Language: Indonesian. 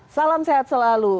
salam sehat selalu